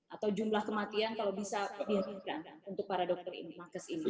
atau jumlah kematian kalau bisa dihentikan untuk para dokter nakes ini